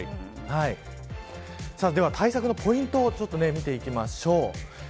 では対策のポイントを見ていきましょう。